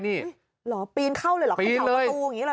ปีนเข้าเลยหรือเขมเข่าประตูนี้หรือ